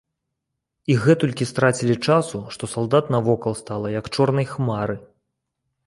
І гэтулькі страцілі часу, што салдат навокал стала, як чорнай хмары.